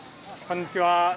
こんにちは。